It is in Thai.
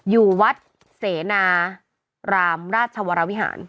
อยู่วัดเสนารามราชวรวิหาร